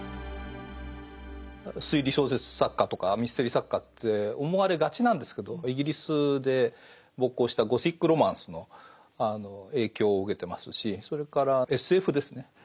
推理小説作家とかミステリー作家って思われがちなんですけどイギリスで勃興したゴシック・ロマンスの影響を受けてますしそれからＳＦですね